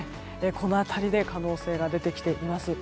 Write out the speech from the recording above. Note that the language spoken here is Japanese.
この辺りで可能性が出てきています。